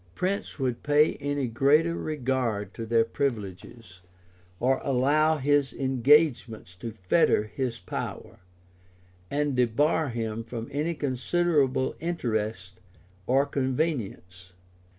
Prince would pay any greater regard to their privileges, or allow his engagements to fetter his power, and debar him from any considerable interest or convenience.